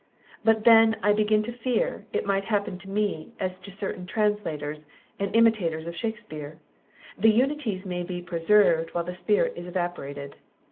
But then I began to fear it might happen to me as to certain translators, and imitators of Shakespeare; the unities may be preserved, while the spirit is evaporated.